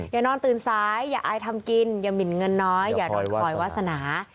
อย่านอนตื่นซ้ายอย่าอายทำกินอย่าหมินเงินน้อยอย่านอนคอยวาสนา